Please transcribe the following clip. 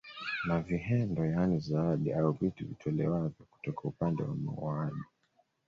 Na vihendo yaani zawadi au vitu vitolewavyo kutoka upande wa muoaji